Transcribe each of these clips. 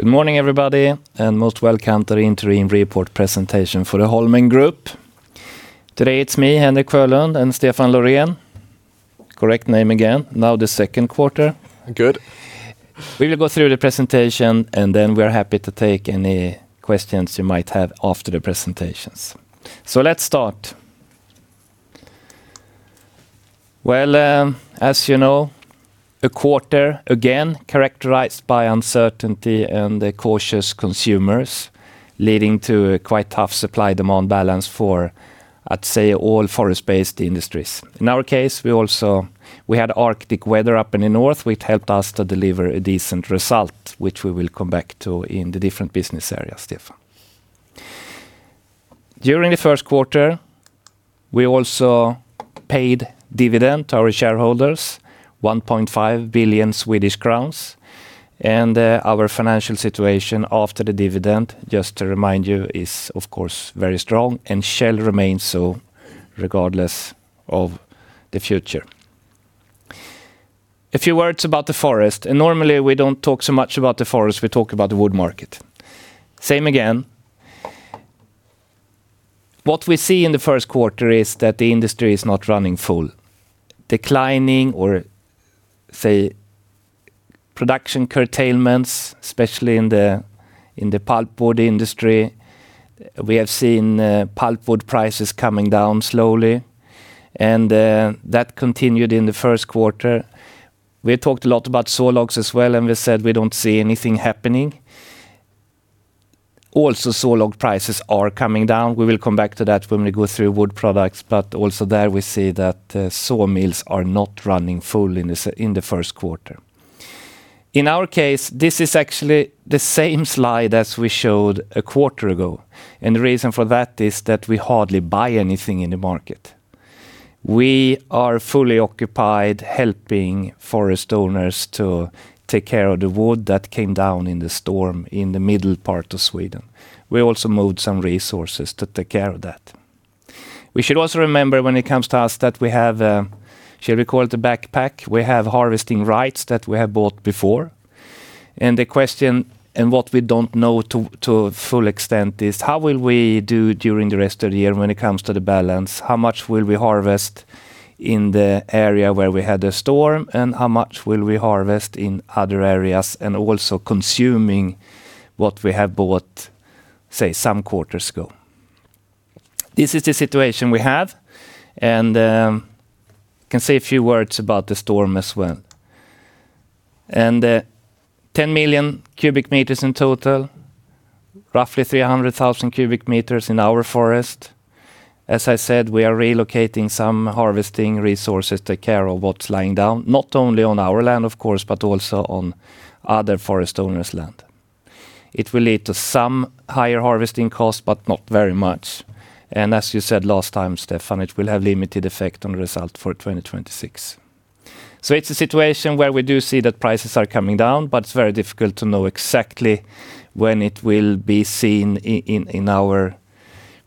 Good morning, everybody, and most welcome to the interim report presentation for the Holmen Group. Today it's me, Henrik Sjölund, and Stefan Loréhn. Correct name again. Now the second quarter. Good. We will go through the presentation, and then we're happy to take any questions you might have after the presentations. Let's start. Well, as you know, a quarter again characterized by uncertainty and the cautious consumers leading to a quite tough supply-demand balance for, I'd say, all forest-based industries. In our case, we also had Arctic weather up in the north, which helped us to deliver a decent result, which we will come back to in the different business areas, Stefan. During the first quarter, we also paid dividend to our shareholders 1.5 billion Swedish crowns, and our financial situation after the dividend, just to remind you, is of course very strong and shall remain so regardless of the future. A few words about the forest, and normally we don't talk so much about the forest, we talk about the wood market. Same again. What we see in the first quarter is that the industry is not running full. Production curtailments, especially in the pulpwood industry. We have seen pulpwood prices coming down slowly, and that continued in the first quarter. We talked a lot about sawlogs as well, and we said we don't see anything happening. Also, sawlogs prices are coming down. We will come back to that when we go through wood products, but also there we see that sawmills are not running full in the first quarter. In our case, this is actually the same slide as we showed a quarter ago, and the reason for that is that we hardly buy anything in the market. We are fully occupied helping forest owners to take care of the wood that came down in the storm in the middle part of Sweden. We also moved some resources to take care of that. We should also remember when it comes to us that we have, shall we call it the backpack? We have harvesting rights that we have bought before. The question and what we don't know to full extent is, how will we do during the rest of the year when it comes to the balance? How much will we harvest in the area where we had a storm, and how much will we harvest in other areas and also consuming what we have bought, say, some quarters ago? This is the situation we have, and I can say a few words about the storm as well. 10,000,000 cu m in total, roughly 300,000 cu m in our forest. As I said, we are relocating some harvesting resources to take care of what's lying down, not only on our land, of course, but also on other forest owners' land. It will lead to some higher harvesting costs, but not very much. As you said last time, Stefan, it will have limited effect on the result for 2026. It's a situation where we do see that prices are coming down, but it's very difficult to know exactly when it will be seen in our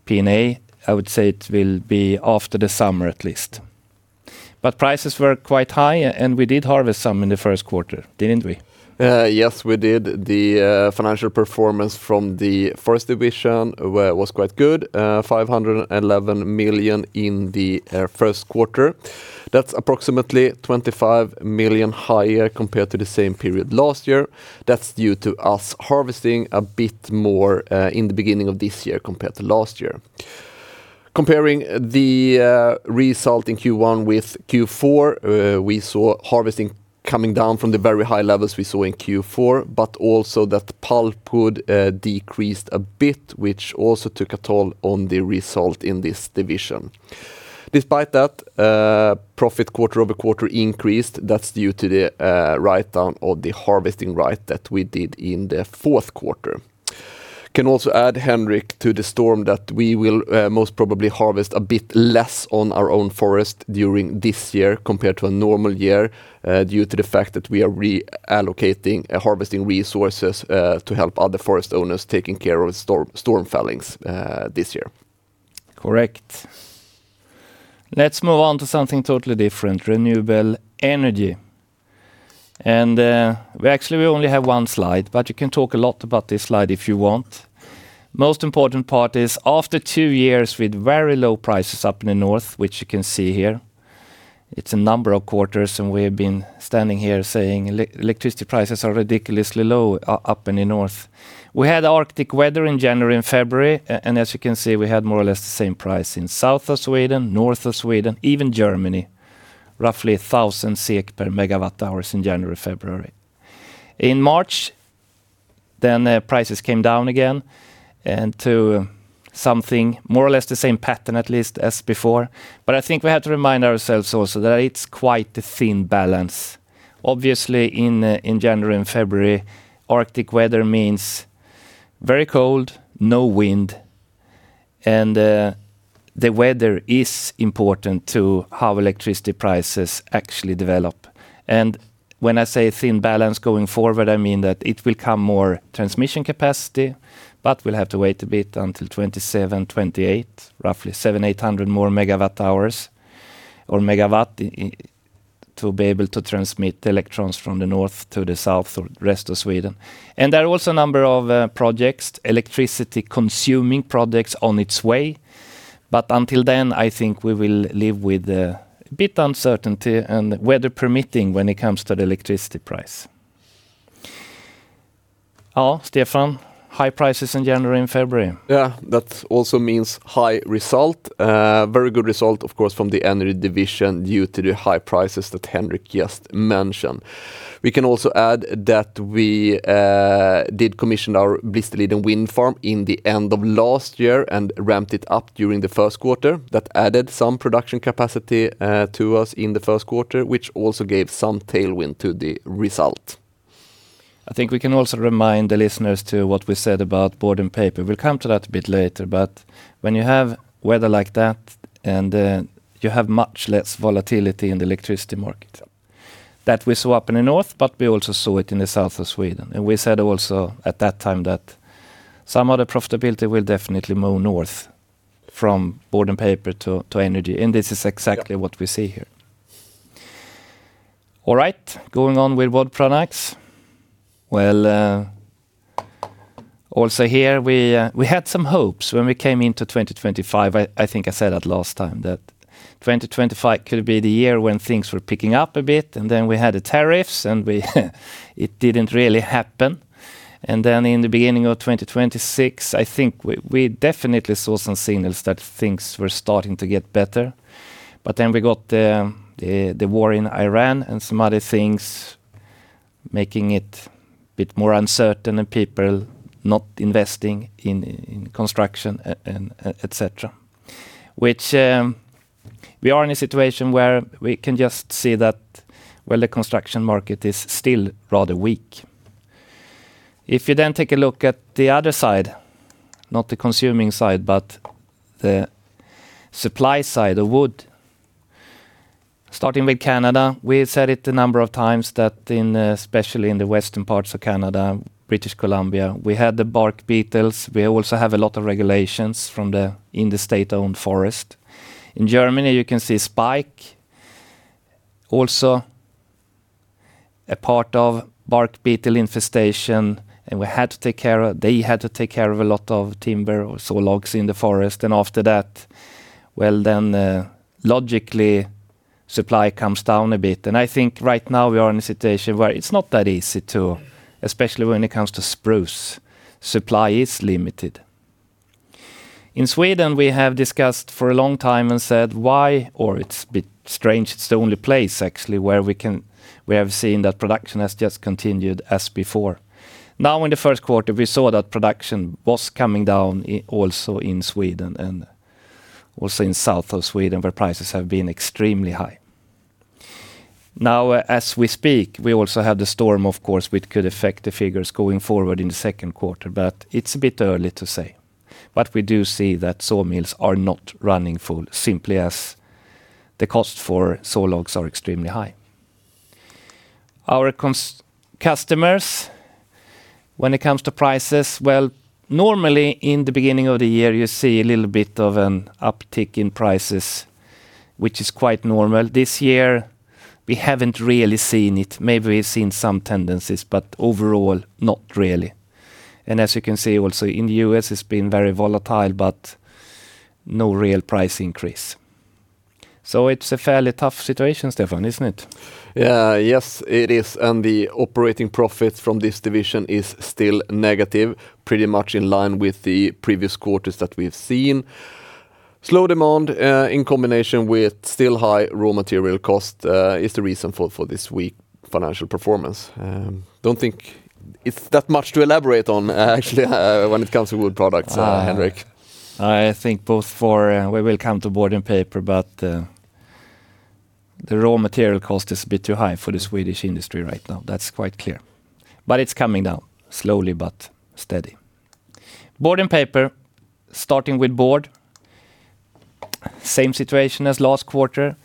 P&L. I would say it will be after the summer at least. Prices were quite high, and we did harvest some in the first quarter, didn't we? Yes, we did. The financial performance from the Forest division was quite good, 511 million in the first quarter. That's approximately 25 million higher compared to the same period last year. That's due to us harvesting a bit more in the beginning of this year compared to last year. Comparing the result in Q1 with Q4, we saw harvesting coming down from the very high levels we saw in Q4, but also that pulpwood decreased a bit, which also took a toll on the result in this division. Despite that, profit quarter-over-quarter increased. That's due to the write-down or the harvesting right that we did in the fourth quarter. Can also add, Henrik, to the storm that we will most probably harvest a bit less on our own forest during this year compared to a normal year due to the fact that we are reallocating harvesting resources to help other forest owners taking care of storm fellings this year. Correct. Let's move on to something totally different, renewable energy. We actually only have one slide, but you can talk a lot about this slide if you want. Most important part is after two years with very low prices up in the north, which you can see here, it's a number of quarters, and we have been standing here saying electricity prices are ridiculously low up in the north. We had Arctic weather in January and February, and as you can see, we had more or less the same price in south of Sweden, north of Sweden, even Germany, roughly 1,000 SEK/MWh in January, February. In March, then the prices came down again and to something more or less the same pattern, at least as before. I think we have to remind ourselves also that it's quite a thin balance. Obviously, in January and February, Arctic weather means very cold, no wind, and the weather is important to how electricity prices actually develop. When I say thin balance going forward, I mean that it will come more transmission capacity, but we'll have to wait a bit until 2027, 2028, roughly 700-800 more megawatts-hours into to be able to transmit electricity from the north to the south or rest of Sweden. There are also a number of projects, electricity consuming projects on their way. But until then, I think we will live with a bit of uncertainty and weather permitting when it comes to the electricity price. Oh, Stefan, high prices in January and February. Yeah, that also means high result. Very good result, of course, from the energy division due to the high prices that Henrik just mentioned. We can also add that we did commission our Blåbergsliden Wind Farm in the end of last year and ramped it up during the first quarter. That added some production capacity to us in the first quarter, which also gave some tailwind to the result. I think we can also remind the listeners to what we said about board and paper. We'll come to that a bit later, but when you have weather like that and you have much less volatility in the electricity market that we saw up in the north, but we also saw it in the south of Sweden. We said also at that time that some of the profitability will definitely move north from board and paper to energy, and this is exactly what we see here. All right, going on with wood products. Well, also here we had some hopes when we came into 2025. I think I said that last time that 2025 could be the year when things were picking up a bit, and then we had the tariffs and it didn't really happen. Then in the beginning of 2026, I think we definitely saw some signals that things were starting to get better. Then we got the war in Iran and some other things making it a bit more uncertain and people not investing in construction and etc, which we are in a situation where we can just see that, well, the construction market is still rather weak. If you then take a look at the other side, not the consuming side, but the supply side of wood. Starting with Canada, we said it a number of times that in, especially in the western parts of Canada, British Columbia, we had the bark beetles. We also have a lot of regulations from the in the state-owned forest. In Germany, you can see a spike, also a part of bark beetle infestation, and they had to take care of a lot of timber or sawlogs in the forest. After that, well, then, logically supply comes down a bit. I think right now we are in a situation where it's not that easy to, especially when it comes to spruce, supply is limited. In Sweden, we have discussed for a long time and said, "Why?" It's a bit strange, it's the only place actually where we have seen that production has just continued as before. Now in the first quarter, we saw that production was coming down also in Sweden and also in south of Sweden, where prices have been extremely high. Now, as we speak, we also have the storm, of course, which could affect the figures going forward in the second quarter, but it's a bit early to say. We do see that sawmills are not running full simply as the cost for saw logs are extremely high. Our customers, when it comes to prices, well, normally in the beginning of the year, you see a little bit of an uptick in prices, which is quite normal. This year we haven't really seen it. Maybe we've seen some tendencies, but overall, not really. As you can see also in the U.S., it's been very volatile, but no real price increase. It's a fairly tough situation, Stefan, isn't it? Yeah. Yes, it is. The operating profit from this division is still negative, pretty much in line with the previous quarters that we've seen. Slow demand in combination with still high raw material cost is the reason for this weak financial performance. Don't think it's that much to elaborate on actually, when it comes to wood products, Henrik. I think we will come to board and paper, but the raw material cost is a bit too high for the Swedish industry right now. That's quite clear. It's coming down, slowly but steady. Board and paper, starting with board. Same situation as last quarter.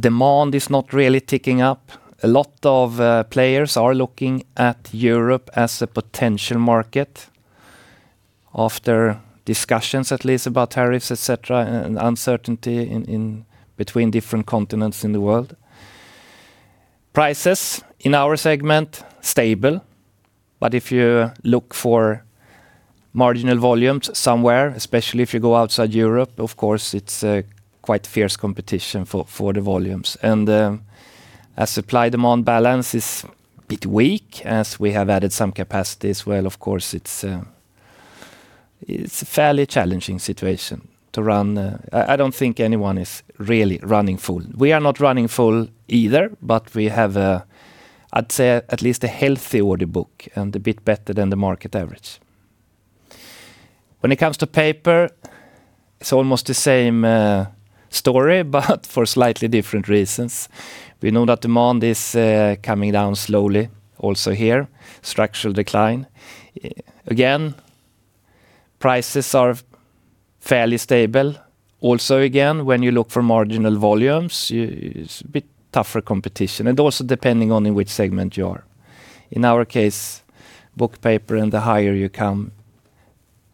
Demand is not really ticking up. A lot of players are looking at Europe as a potential market after discussions, at least about tariffs, etc, and uncertainty in between different continents in the world. Prices in our segment, stable. If you look for marginal volumes somewhere, especially if you go outside Europe, of course, it's a quite fierce competition for the volumes. As supply-demand balance is a bit weak, as we have added some capacity as well, of course, it's a fairly challenging situation to run. I don't think anyone is really running full. We are not running full either, but we have, I'd say at least a healthy order book and a bit better than the market average. When it comes to paper, it's almost the same story, but for slightly different reasons. We know that demand is coming down slowly also here, structural decline. Again, prices are fairly stable. Also, again, when you look for marginal volumes, it's a bit tougher competition, and also depending on in which segment you are. In our case, book paper and the higher you come,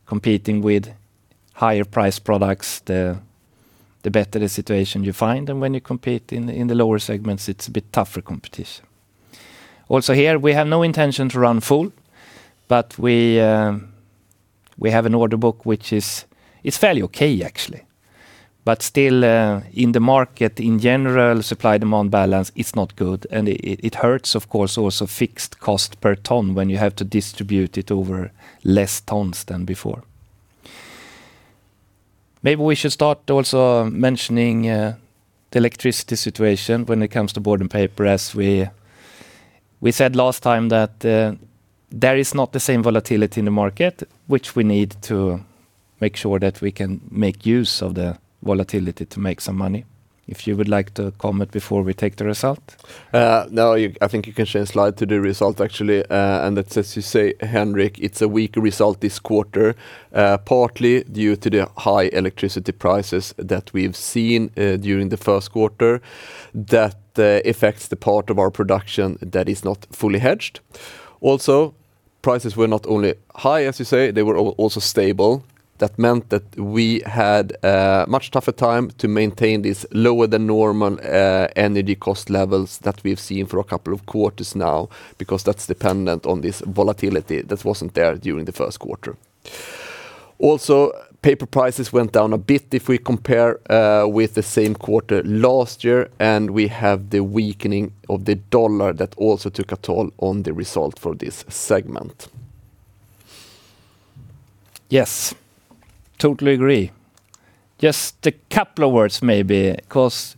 competing with higher priced products, the better the situation you find. When you compete in the lower segments, it's a bit tougher competition. Also, here, we have no intention to run full, but we have an order book which is fairly okay, actually. Still, in the market in general, supply-demand balance is not good and it hurts of course also fixed cost per ton when you have to distribute it over less tons than before. Maybe we should start also mentioning the electricity situation when it comes to board and paper. As we said last time that there is not the same volatility in the market, which we need to make sure that we can make use of the volatility to make some money. If you would like to comment before we take the result. No, I think you can change slide to the result, actually. It's as you say, Henrik, it's a weaker result this quarter, partly due to the high electricity prices that we've seen during the first quarter that affects the part of our production that is not fully hedged. Also, prices were not only high, as you say, they were also stable. That meant that we had a much tougher time to maintain this lower than normal energy cost levels that we've seen for a couple of quarters now, because that's dependent on this volatility that wasn't there during the first quarter. Also, paper prices went down a bit if we compare with the same quarter last year, and we have the weakening of the dollar that also took a toll on the result for this segment. Yes. Totally agree. Just a couple of words maybe, 'cause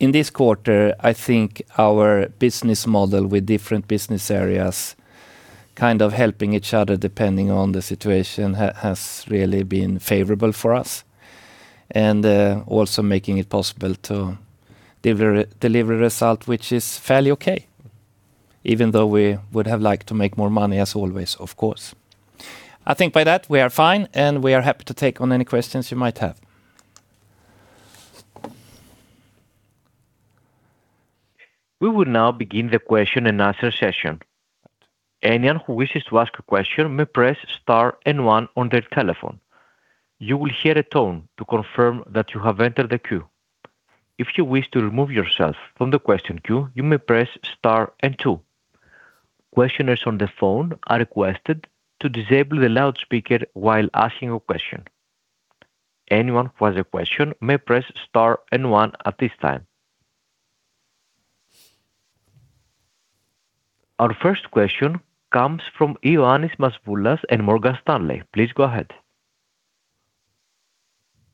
in this quarter, I think our business model with different business areas kind of helping each other depending on the situation has really been favorable for us, and also making it possible to deliver result, which is fairly okay, even though we would have liked to make more money as always, of course. I think by that, we are fine, and we are happy to take on any questions you might have. We will now begin the question-and-answer session. Anyone who wishes to ask a question may press star and one on their telephone. You will hear a tone to confirm that you have entered the queue. If you wish to remove yourself from the question queue, you may press star and two. Questioners on the phone are requested to disable the loudspeaker while asking a question. Anyone who has a question may press star and one at this time. Our first question comes from Ioannis Masvoulas in Morgan Stanley. Please go ahead.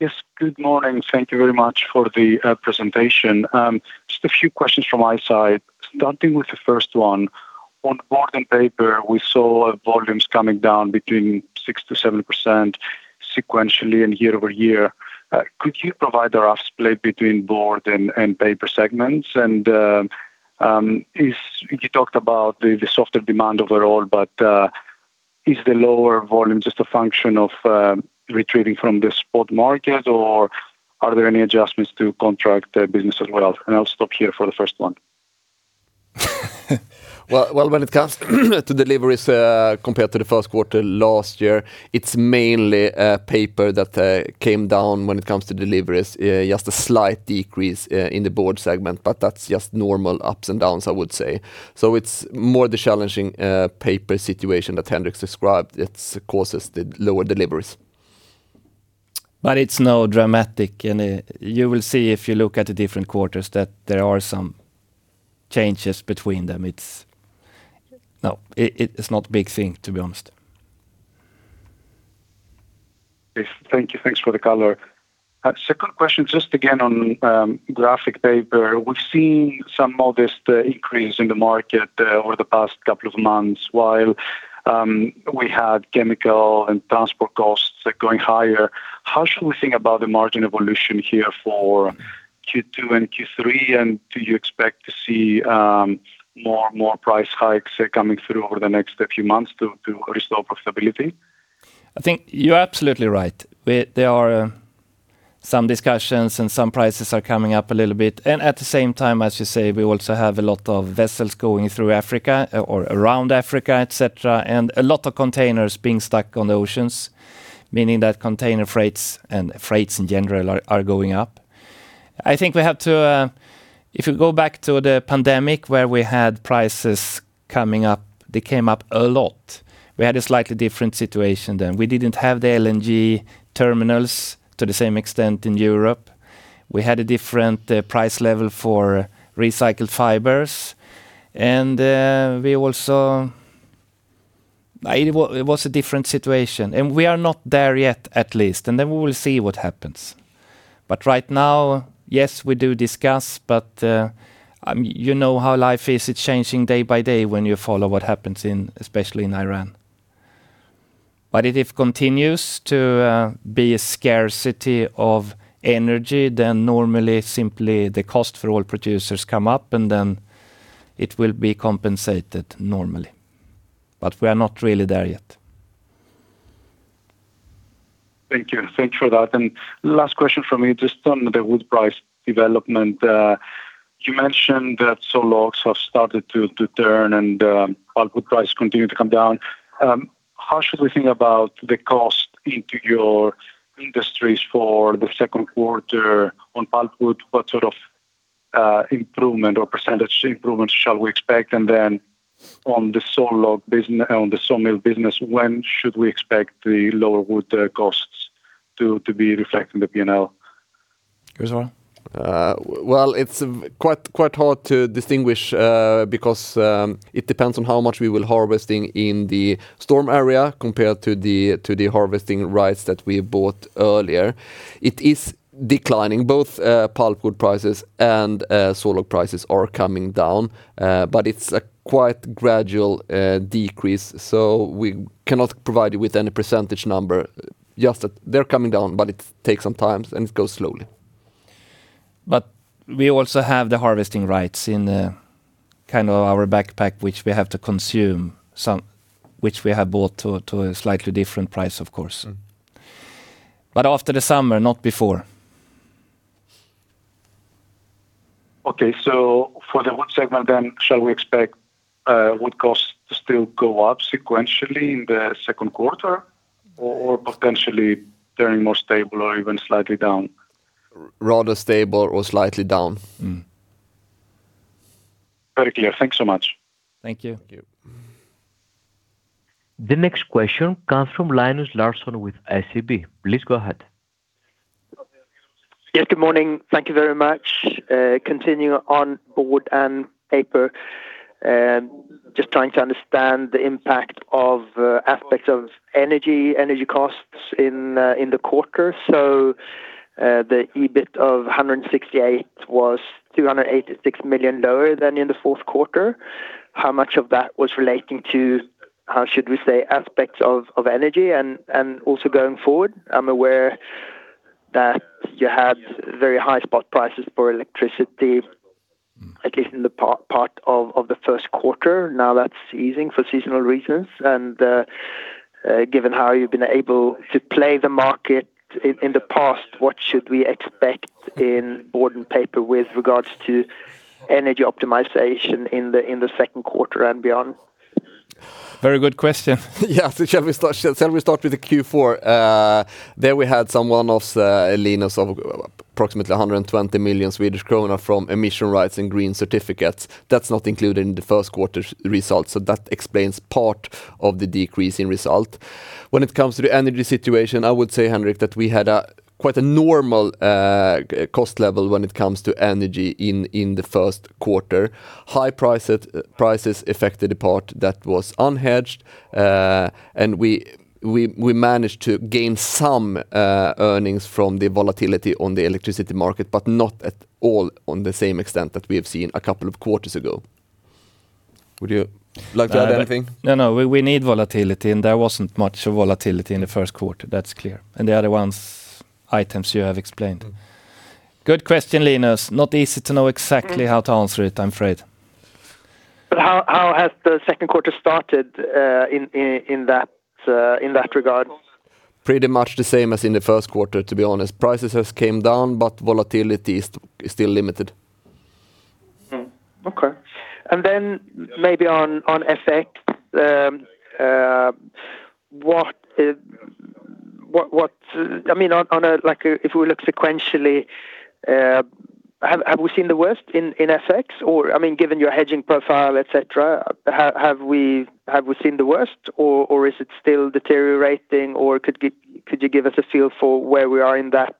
Yes. Good morning. Thank you very much for the presentation. Just a few questions from my side. Starting with the first one. On board and paper, we saw volumes coming down between 6%-7% sequentially and year-over-year. Could you provide a rough split between board and paper segments? You talked about the softer demand overall, but is the lower volume just a function of retreating from the spot market, or are there any adjustments to contract business as well? I'll stop here for the first one. Well, when it comes to deliveries, compared to the first quarter last year, it's mainly paper that came down when it comes to deliveries. Just a slight decrease in the board segment, but that's just normal ups and downs, I would say. It's more the challenging paper situation that Henrik described. It causes the lower deliveries. It's not dramatic. You will see if you look at the different quarters that there are some changes between them. No, it's not a big thing, to be honest. Yes. Thank you. Thanks for the color. Second question, just again on graphic paper. We've seen some modest increase in the market over the past couple of months, while we had chemical and transport costs going higher. How should we think about the margin evolution here for Q2 and Q3? And do you expect to see more price hikes coming through over the next few months to restore profitability? I think you're absolutely right. There are some discussions and some prices are coming up a little bit. At the same time, as you say, we also have a lot of vessels going through Africa or around Africa, etc, and a lot of containers being stuck on the oceans, meaning that container freights and freights in general are going up. I think we have to if you go back to the pandemic where we had prices coming up, they came up a lot. We had a slightly different situation then. We didn't have the LNG terminals to the same extent in Europe. We had a different price level for recycled fibers. It was a different situation. We are not there yet, at least. Then we will see what happens. Right now, yes, we do discuss, but, you know how life is. It's changing day by day when you follow what happens in, especially in Iran. If it continues to be a scarcity of energy, then normally simply the cost for all producers come up and then it will be compensated normally. We are not really there yet. Thank you. Thanks for that. Last question from me, just on the wood price development. You mentioned that saw logs have started to turn and pulpwood prices continue to come down. How should we think about the cost into your industries for the second quarter on pulpwood? What sort of improvement or percentage improvements shall we expect? On the saw mill business, when should we expect the lower wood costs to be reflecting the P&L? Goes on. Well, it's quite hard to distinguish because it depends on how much we will harvesting in the storm area compared to the harvesting rights that we bought earlier. It is declining, both pulpwood prices and sawlogs prices are coming down. It's a quite gradual decrease. We cannot provide you with any percentage number, just that they're coming down, but it takes some time, and it goes slowly. We also have the harvesting rights in kind of our backpack, which we have to consume some, which we have bought to a slightly different price, of course. After the summer, not before. Okay. For the Wood segment then, shall we expect, wood costs to still go up sequentially in the second quarter or potentially turning more stable or even slightly down? Rather stable or slightly down. Mm. Very clear. Thanks so much. Thank you. Thank you. The next question comes from Linus Larsson with SEB. Please go ahead. Yes, good morning. Thank you very much. Continuing on board and paper, just trying to understand the impact of aspects of energy costs in the quarter. The EBIT of 168 was 286 million lower than in the fourth quarter. How much of that was relating to, how should we say, aspects of energy? Also going forward, I'm aware that you had very high spot prices for electricity, at least in the part of the first quarter. Now that's easing for seasonal reasons and given how you've been able to play the market in the past, what should we expect in board and paper with regards to energy optimization in the second quarter and beyond? Very good question. Yeah. Shall we start with the Q4? There we had some one-offs, Linus, of approximately 120 million Swedish kronor from emission rights and green certificates. That's not included in the first quarter's results, so that explains part of the decrease in result. When it comes to the energy situation, I would say, Henrik, that we had a quite normal cost level when it comes to energy in the first quarter. High prices affected the part that was unhedged. We managed to gain some earnings from the volatility on the electricity market, but not at all to the same extent that we have seen a couple of quarters ago. Would you like to add anything? No, no. We need volatility, and there wasn't much volatility in the first quarter. That's clear. The other ones, items you have explained. Mm. Good question, Linus. Not easy to know exactly how to answer it, I'm afraid. How has the second quarter started in that regard? Pretty much the same as in the first quarter, to be honest. Prices has came down, but volatility is still limited. Okay. Maybe on FX, what's, I mean, on a like if we look sequentially, have we seen the worst in FX? Or I mean, given your hedging profile, etc, have we seen the worst or is it still deteriorating or could you give us a feel for where we are in that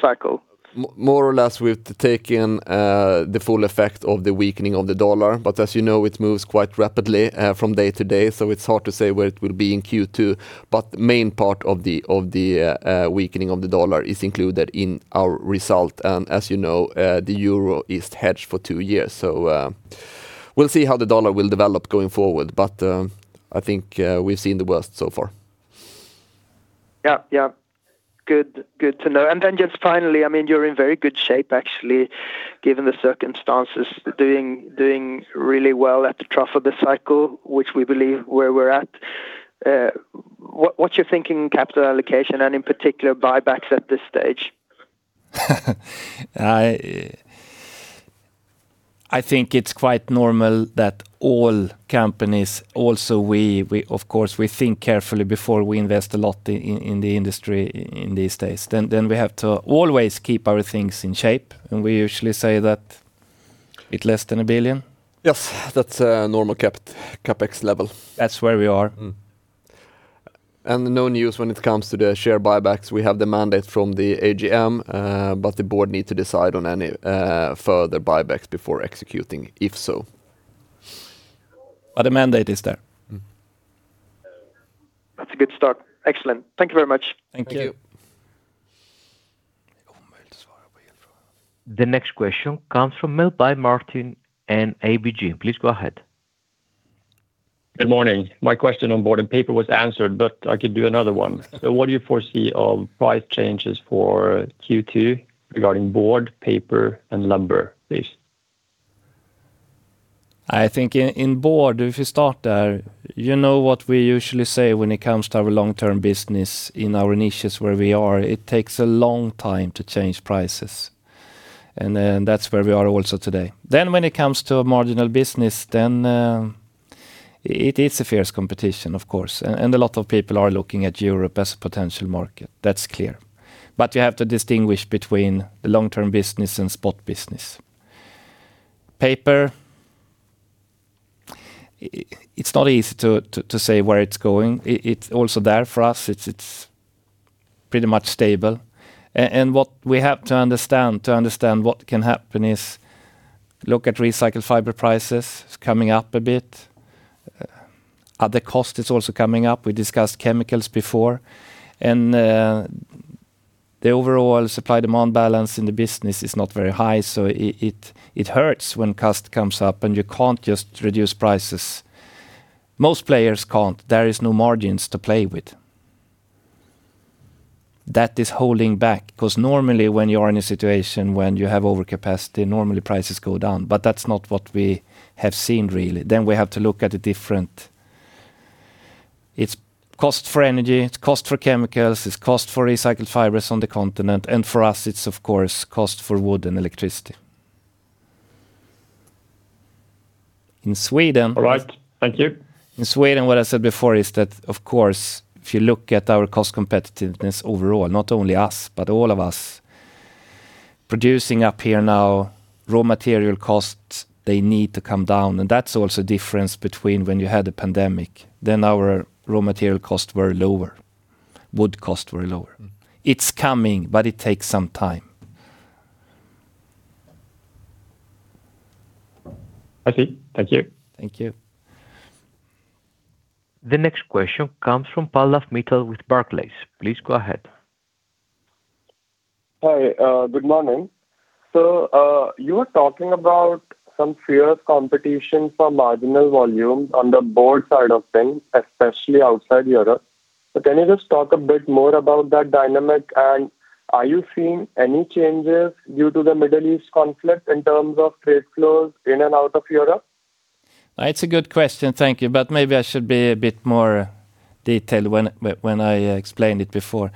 cycle? More or less, we've taken the full effect of the weakening of the dollar, but as you know, it moves quite rapidly from day to day, so it's hard to say where it will be in Q2. The main part of the weakening of the dollar is included in our result, as you know, the euro is hedged for two years. We'll see how the dollar will develop going forward, but I think we've seen the worst so far. Yeah. Good to know. Just finally, I mean, you're in very good shape actually, given the circumstances, doing really well at the trough of the cycle, which we believe is where we're at. What's your thinking on capital allocation and in particular buybacks at this stage? I think it's quite normal that all companies also, we of course think carefully before we invest a lot in the industry in these days. We have to always keep our things in shape, and we usually say that it's less than 1 billion. Yes. That's a normal CapEx level. That's where we are. No news when it comes to the share buybacks. We have the mandate from the AGM, but the Board need to decide on any further buybacks before executing, if so. The mandate is there. Mm. That's a good start. Excellent. Thank you very much. Thank you. Thank you. The next question comes from Melbye Martin in ABG. Please go ahead. Good morning. My question on board and paper was answered, but I could do another one. What do you foresee on price changes for Q2 regarding board, paper, and lumber, please? I think in board, if you start there, you know what we usually say when it comes to our long-term business in our niches where we are. It takes a long time to change prices. That's where we are also today. When it comes to a marginal business, it is a fierce competition, of course. A lot of people are looking at Europe as a potential market. That's clear. You have to distinguish between the long-term business and spot business. Paper, it's not easy to say where it's going. It's also there for us. It's pretty much stable. What we have to understand, to understand what can happen is look at recycled fiber prices. It's coming up a bit. Other cost is also coming up. We discussed chemicals before. The overall supply-demand balance in the business is not very high, so it hurts when cost comes up and you can't just reduce prices. Most players can't. There is no margins to play with. That is holding back, 'cause normally when you are in a situation when you have over capacity, normally prices go down, but that's not what we have seen really. Then we have to look at the different costs. It's cost for energy, it's cost for chemicals, it's cost for recycled fibers on the continent, and for us, it's, of course, cost for wood and electricity. In Sweden- All right. Thank you. In Sweden, what I said before is that, of course, if you look at our cost competitiveness overall, not only us, but all of us producing up here now, raw material costs, they need to come down, and that's also difference between when you had a pandemic, then our raw material costs were lower. Wood costs were lower. It's coming, but it takes some time. I see. Thank you. Thank you. The next question comes from Pallav Mittal with Barclays. Please go ahead. Hi. Good morning. You were talking about some fierce competition for marginal volumes on the board side of things, especially outside Europe. Can you just talk a bit more about that dynamic, and are you seeing any changes due to the Middle East conflict in terms of trade flows in and out of Europe? It's a good question, thank you. Maybe I should be a bit more detailed when I explained it before.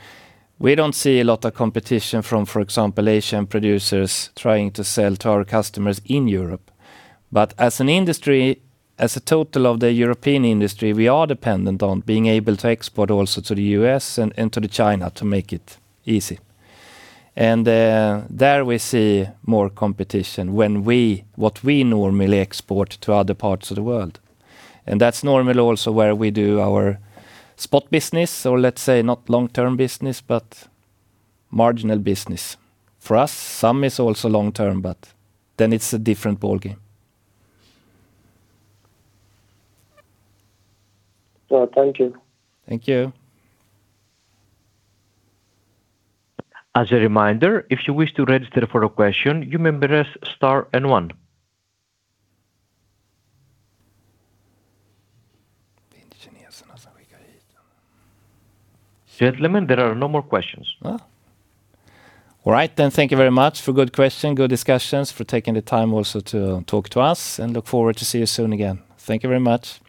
We don't see a lot of competition from, for example, Asian producers trying to sell to our customers in Europe. As an industry, as a total of the European industry, we are dependent on being able to export also to the U.S. and to China to make it easy. There we see more competition when we normally export to other parts of the world. That's normally also where we do our spot business or, let's say, not long-term business, but marginal business. For us, some is also long-term, but then it's a different ballgame. Well, thank you. Thank you. As a reminder, if you wish to register for a question, you may press star and one. Gentlemen, there are no more questions. Oh. All right, then. Thank you very much for good question, good discussions, for taking the time also to talk to us, and look forward to see you soon again. Thank you very much.